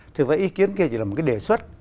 thực ra ý kiến kia chỉ là một cái đề xuất